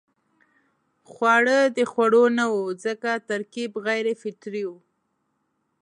خواړه د خوړو نه وو ځکه ترکیب غیر فطري وو.